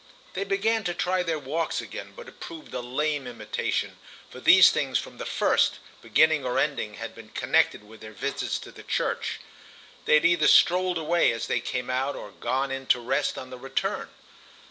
They began to try their walks again, but it proved a lame imitation, for these things, from the first, beginning or ending, had been connected with their visits to the church. They had either strolled away as they came out or gone in to rest on the return.